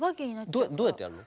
どうやってやんの？